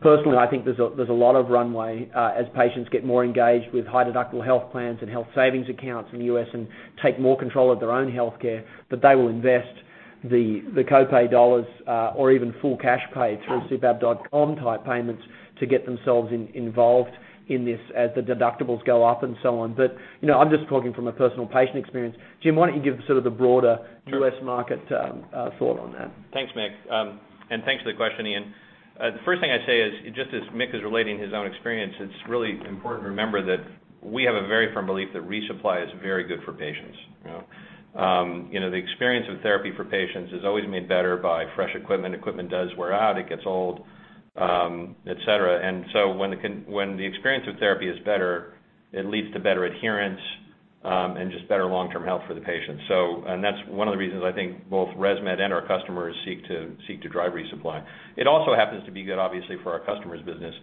Personally, I think there's a lot of runway. As patients get more engaged with high-deductible health plans and health savings accounts in the U.S. and take more control of their own healthcare, that they will invest the co-pay dollars or even full cash pay through CPAP.com-type payments to get themselves involved in this as the deductibles go up and so on. I'm just talking from a personal patient experience. Jim, why don't you give sort of the broader- Sure U.S. market thought on that. Thanks, Mick, and thanks for the question, Ian. The first thing I'd say is, just as Mick is relating his own experience, it's really important to remember that we have a very firm belief that resupply is very good for patients. The experience of therapy for patients is always made better by fresh equipment. Equipment does wear out, it gets old, et cetera. When the experience of therapy is better, it leads to better adherence, and just better long-term health for the patient. That's one of the reasons I think both ResMed and our customers seek to drive resupply. It also happens to be good, obviously, for our customer's business.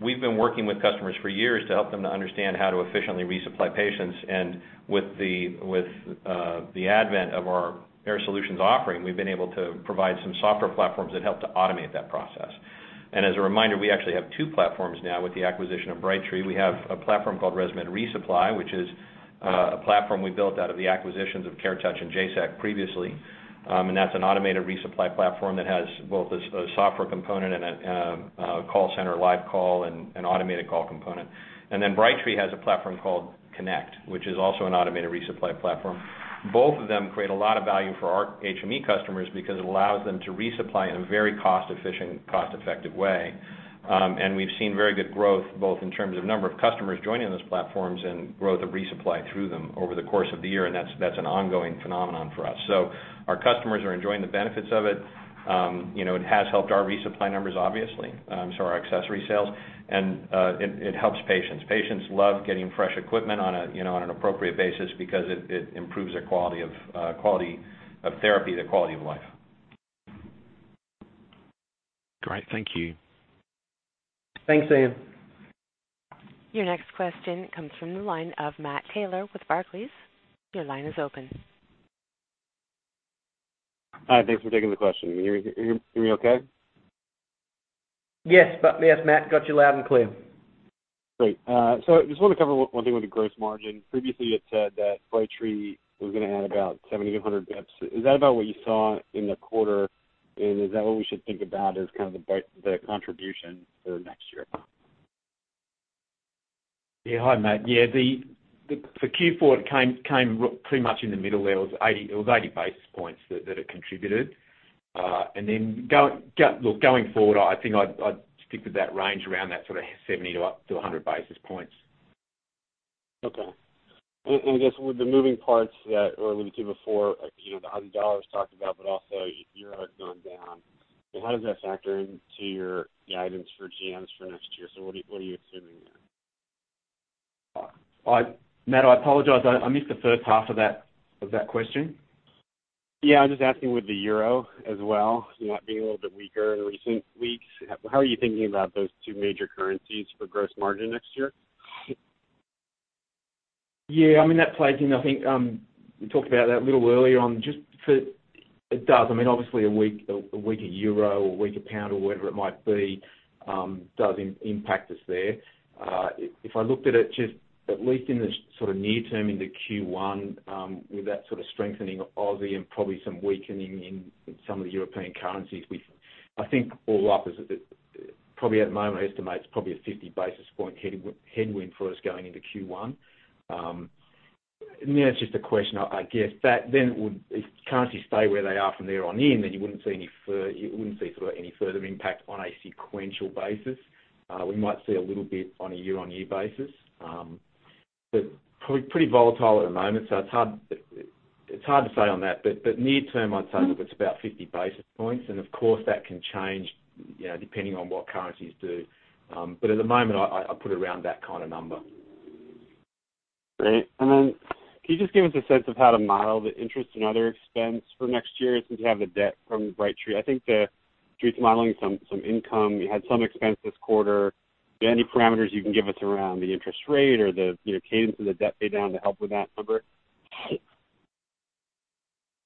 We've been working with customers for years to help them to understand how to efficiently resupply patients. With the advent of our Air Solutions offering, we've been able to provide some software platforms that help to automate that process. As a reminder, we actually have two platforms now with the acquisition of Brightree. We have a platform called ResMed ReSupply, which is a platform we built out of the acquisitions of CareTouch and Jaysec previously. That's an automated resupply platform that has both a software component and a call center live call and an automated call component. Brightree has a platform called Connect, which is also an automated resupply platform. Both of them create a lot of value for our HME customers because it allows them to resupply in a very cost-efficient, cost-effective way. We've seen very good growth, both in terms of number of customers joining those platforms and growth of resupply through them over the course of the year, and that's an ongoing phenomenon for us. Our customers are enjoying the benefits of it. It has helped our resupply numbers, obviously, so our accessory sales, and it helps patients. Patients love getting fresh equipment on an appropriate basis because it improves their quality of therapy, their quality of life. Great. Thank you. Thanks, Ian. Your next question comes from the line of Matt Taylor with Barclays. Your line is open. Hi. Thanks for taking the question. Can you hear me okay? Yes, Matt. Got you loud and clear. Great. I just want to cover one thing with the gross margin. Previously, you had said that Brightree was going to add about 70 to 100 basis points. Is that about what you saw in the quarter, and is that what we should think about as kind of the contribution for next year? Hi, Matt. For Q4, it came pretty much in the middle there. It was 80 basis points that it contributed. Going forward, I think I'd stick to that range around that sort of 70 to up to 100 basis points. Okay. I guess with the moving parts that, or when you said before, the Aussie dollar was talked about, but also euro had gone down. How does that factor into your guidance for GMs for next year? What are you assuming there? Matt, I apologize. I missed the first half of that question. Yeah, I'm just asking with the euro as well, not being a little bit weaker in recent weeks. How are you thinking about those two major currencies for gross margin next year? Yeah, I mean, that plays in. I think, we talked about that a little earlier on. It does. Obviously, a weaker euro or weaker pound or whatever it might be, does impact us there. If I looked at it, just at least in the sort of near term into Q1, with that sort of strengthening of Aussie and probably some weakening in some of the European currencies, I think all up, probably at the moment, I estimate it's probably a 50 basis point headwind for us going into Q1. It's just a question, I guess. If currencies stay where they are from there on in, then you wouldn't see any further impact on a sequential basis. We might see a little bit on a year-on-year basis. Probably pretty volatile at the moment, so it's hard to say on that. Near term, I'd say, look, it's about 50 basis points, and of course, that can change depending on what currencies do. At the moment, I'll put it around that kind of number. Can you just give us a sense of how to model the interest and other expense for next year, since you have the debt from Brightree? I think the street's modeling some income. You had some expense this quarter. Any parameters you can give us around the interest rate or the cadence of the debt pay down to help with that number?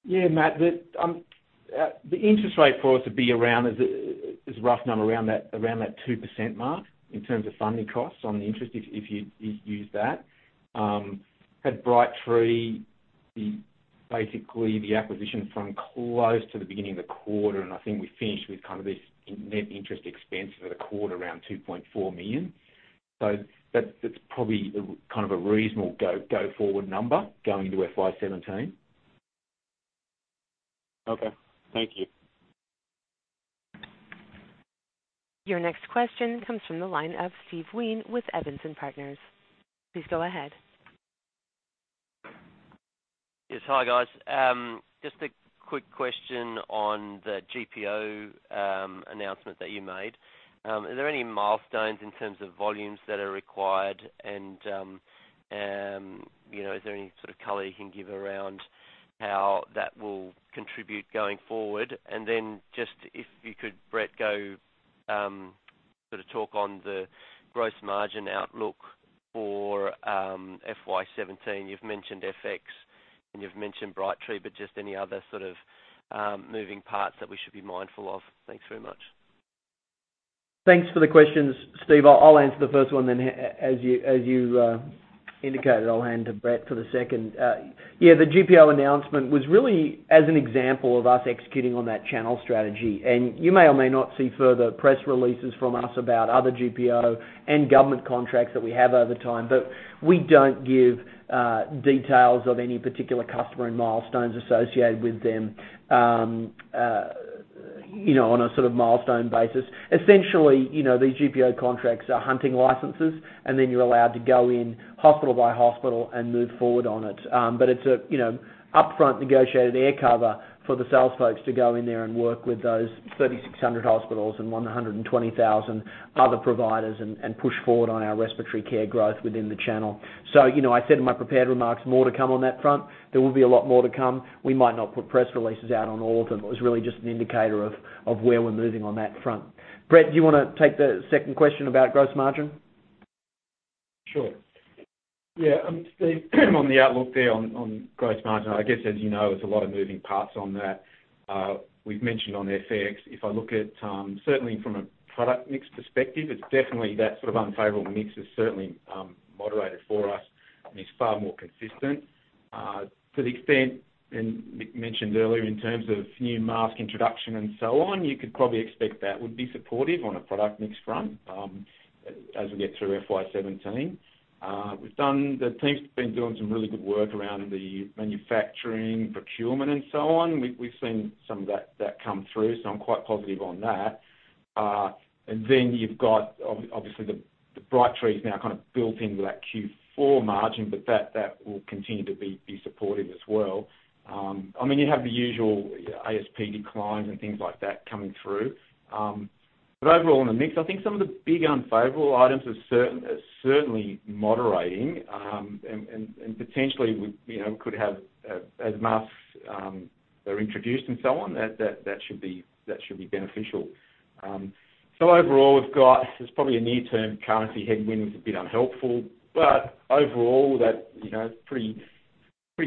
Yeah, Matt. The interest rate for us would be around, as a rough number, around that 2% mark in terms of funding costs on the interest, if you use that. At Brightree, basically, the acquisition from close to the beginning of the quarter, I think we finished with kind of this net interest expense for the quarter around $2.4 million. That's probably kind of a reasonable go-forward number going into FY 2017. Okay. Thank you. Your next question comes from the line of Steve Wheen with Evans & Partners. Please go ahead. Yes. Hi, guys. Just a quick question on the GPO announcement that you made. Are there any milestones in terms of volumes that are required, and is there any sort of color you can give around how that will contribute going forward? Just if you could, Brett, go sort of talk on the gross margin outlook for FY 2017. You've mentioned FX and you've mentioned Brightree, just any other sort of moving parts that we should be mindful of. Thanks very much. Thanks for the questions, Steve. I'll answer the first one, as you indicated, I'll hand to Brett for the second. The GPO announcement was really as an example of us executing on that channel strategy, you may or may not see further press releases from us about other GPO and government contracts that we have over time. We don't give details of any particular customer and milestones associated with them on a sort of milestone basis. Essentially, these GPO contracts are hunting licenses, you're allowed to go in hospital by hospital and move forward on it. It's a upfront negotiated air cover for the sales folks to go in there and work with those 3,600 hospitals and 120,000 other providers and push forward on our respiratory care growth within the channel. I said in my prepared remarks, more to come on that front. There will be a lot more to come. We might not put press releases out on all of them. It was really just an indicator of where we're moving on that front. Brett, do you want to take the second question about gross margin? Sure. Steve, on the outlook there on gross margin, I guess as you know, there's a lot of moving parts on that. We've mentioned on FX, if I look at, certainly from a product mix perspective, it's definitely that sort of unfavorable mix has certainly moderated for us and is far more consistent. To the extent Mick mentioned earlier in terms of new mask introduction and so on, you could probably expect that would be supportive on a product mix front as we get through FY 2017. The team's been doing some really good work around the manufacturing, procurement, and so on. We've seen some of that come through, so I'm quite positive on that. You've got, obviously, the Brightree is now kind of built into that Q4 margin, that will continue to be supportive as well. You have the usual ASP declines and things like that coming through. Overall, in the mix, I think some of the big unfavorable items are certainly moderating, and potentially could have, as masks are introduced and so on, that should be beneficial. Overall, there's probably a near-term currency headwind that's a bit unhelpful. Overall, pretty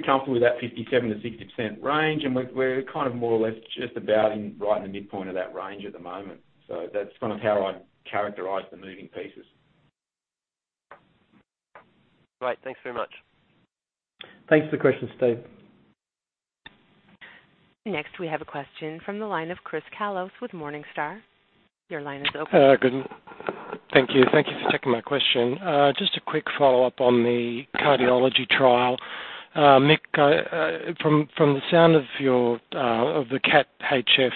comfortable with that 57%-60% range, and we're kind of more or less just about right in the midpoint of that range at the moment. That's kind of how I'd characterize the moving pieces. Great. Thanks very much. Thanks for the question, Steve. Next, we have a question from the line of Chris Kallos with Morningstar. Your line is open. Good. Thank you. Thank you for taking my question. Just a quick follow-up on the cardiology trial. Mick, from the sound of the CAT-HF numbers,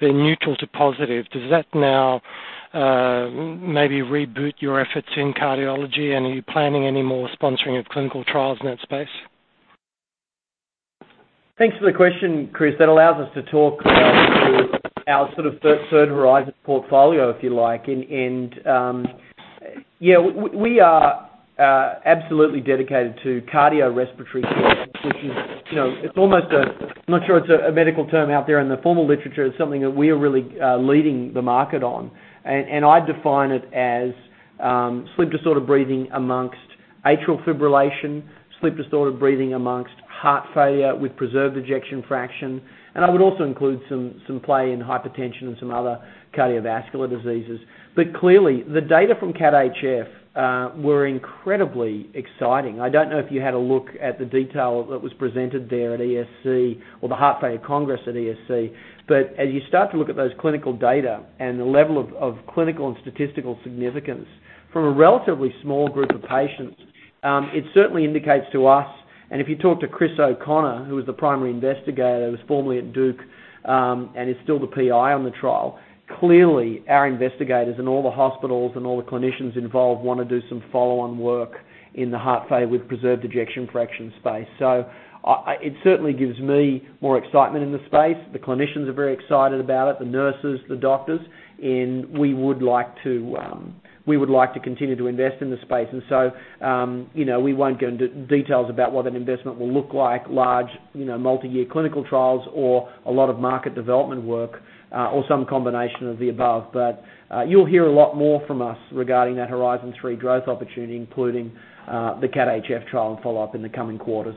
they're neutral to positive. Does that now maybe reboot your efforts in cardiology, and are you planning any more sponsoring of clinical trials in that space? Thanks for the question, Chris. That allows us to talk about our sort of third horizon portfolio, if you like. Yeah, we are absolutely dedicated to cardio respiratory care, which is, I'm not sure it's a medical term out there in the formal literature. It's something that we are really leading the market on. I define it as sleep-disordered breathing amongst atrial fibrillation, sleep-disordered breathing amongst heart failure with preserved ejection fraction, and I would also include some play in hypertension and some other cardiovascular diseases. Clearly, the data from CAT-HF were incredibly exciting. I don't know if you had a look at the detail that was presented there at ESC or the Heart Failure Congress at ESC. As you start to look at those clinical data and the level of clinical and statistical significance from a relatively small group of patients, it certainly indicates to us, and if you talk to Chris O'Connor, who was the primary investigator that was formerly at Duke, and is still the PI on the trial, clearly, our investigators and all the hospitals and all the clinicians involved want to do some follow-on work in the heart failure with preserved ejection fraction space. It certainly gives me more excitement in the space. The clinicians are very excited about it, the nurses, the doctors, and we would like to continue to invest in the space. We won't go into details about what that investment will look like, large multi-year clinical trials or a lot of market development work, or some combination of the above. You'll hear a lot more from us regarding that Horizon 3 growth opportunity, including the CAT-HF trial and follow-up in the coming quarters.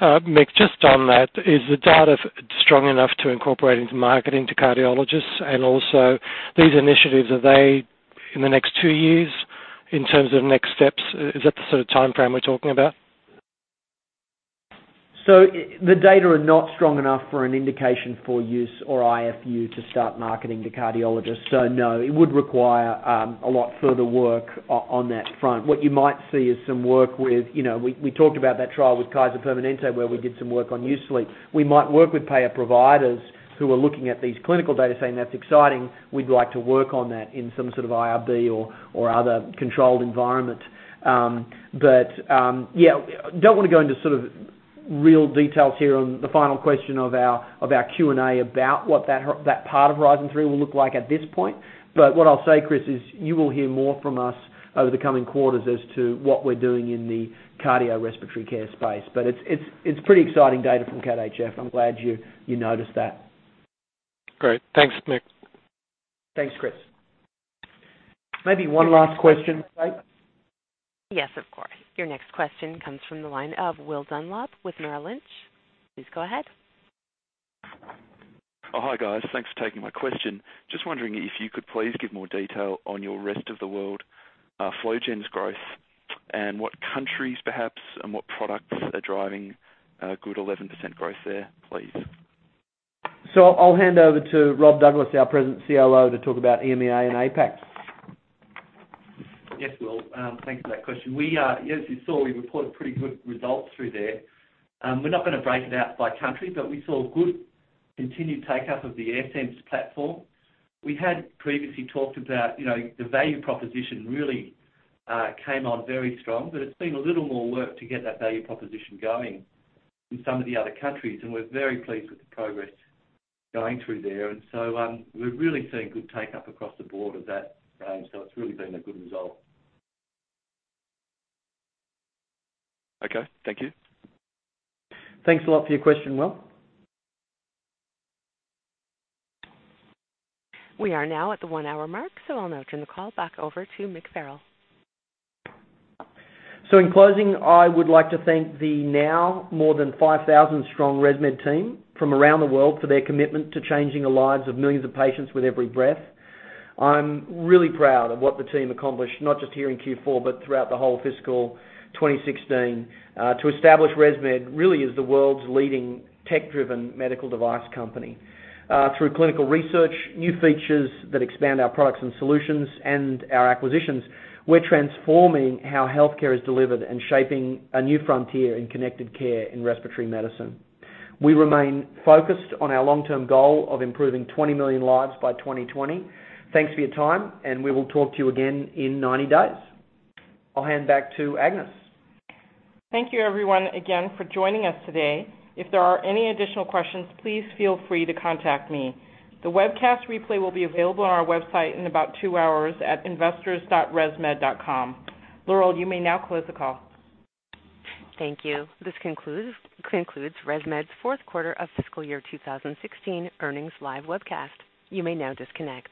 Mick, just on that, is the data strong enough to incorporate into marketing to cardiologists? Also, these initiatives, are they in the next 2 years in terms of next steps? Is that the sort of timeframe we're talking about? The data are not strong enough for an indication for use or IFU to start marketing to cardiologists. No, it would require a lot further work on that front. What you might see is some work with, we talked about that trial with Kaiser Permanente where we did some work on U-Sleep. We might work with payer providers who are looking at these clinical data saying, "That's exciting. We'd like to work on that in some sort of IRB or other controlled environment." Yeah, don't want to go into sort of real details here on the final question of our Q&A about what that part of Horizon 3 will look like at this point. What I'll say, Chris, is you will hear more from us over the coming quarters as to what we're doing in the cardio respiratory care space. It's pretty exciting data from CAT-HF. I'm glad you noticed that. Great. Thanks, Mick. Thanks, Chris. Maybe one last question, [Kate]? Yes, of course. Your next question comes from the line of Will Dunlop with Merrill Lynch. Please go ahead. Oh, hi, guys. Thanks for taking my question. Just wondering if you could please give more detail on your rest of the world flow gen's growth and what countries perhaps and what products are driving good 11% growth there, please. I'll hand over to Rob Douglas, our President COO, to talk about EMEA and APAC. Yes, Will. Thanks for that question. As you saw, we reported pretty good results through there. We're not going to break it out by country, we saw good continued take-up of the AirSense platform. We had previously talked about the value proposition really came on very strong, but it's been a little more work to get that value proposition going in some of the other countries, and we're very pleased with the progress going through there. We're really seeing good take-up across the board of that range. It's really been a good result. Okay. Thank you. Thanks a lot for your question, Will. We are now at the one-hour mark, I'll now turn the call back over to Mick Farrell. In closing, I would like to thank the now more than 5,000 strong ResMed team from around the world for their commitment to changing the lives of millions of patients with every breath. I'm really proud of what the team accomplished, not just here in Q4, but throughout the whole fiscal 2016, to establish ResMed really as the world's leading tech-driven medical device company. Through clinical research, new features that expand our products and solutions, and our acquisitions, we're transforming how healthcare is delivered and shaping a new frontier in connected care in respiratory medicine. We remain focused on our long-term goal of improving 20 million lives by 2020. Thanks for your time, we will talk to you again in 90 days. I'll hand back to Agnes. Thank you everyone, again, for joining us today. If there are any additional questions, please feel free to contact me. The webcast replay will be available on our website in about two hours at investors.resmed.com. Laurel, you may now close the call. Thank you. This concludes ResMed's fourth quarter of fiscal year 2016 earnings live webcast. You may now disconnect.